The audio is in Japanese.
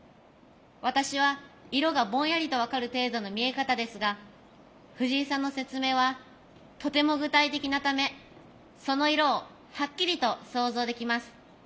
私は色がぼんやりと分かる程度の見え方ですが藤井さんの説明はとても具体的なためその色をはっきりと想像できます。